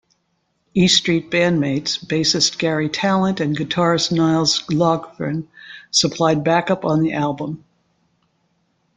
E-Street bandmates, bassist Garry Tallent and guitarist Nils Lofgren supplied backup on the album.